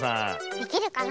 できるかな。